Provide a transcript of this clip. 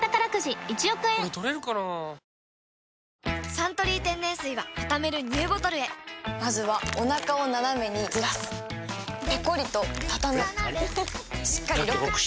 「サントリー天然水」はたためるＮＥＷボトルへまずはおなかをナナメにずらすペコリ！とたたむしっかりロック！